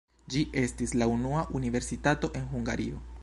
Ĝi estis la unua universitato en Hungario.